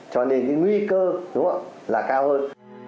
cho nên cái nguy cơ là cao hơn